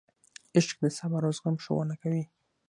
عشق د صبر او زغم ښوونه کوي.